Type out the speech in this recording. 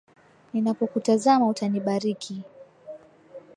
Ninapokutazama utanibariki.